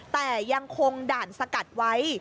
แต่ยังคงด่านสกัดไว้